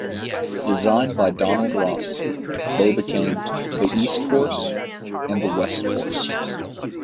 Designed by Donald Ross, they became the East Course and the West Course.